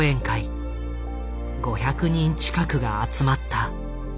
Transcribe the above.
５００人近くが集まった。